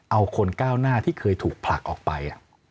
เอาคนก้าวหน้าที่เคยถูกผลักออกไป